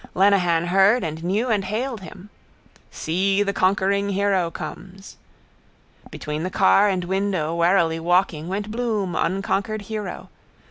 Lenehan heard and knew and hailed him: —See the conquering hero comes. Between the car and window, warily walking, went Bloom, unconquered hero.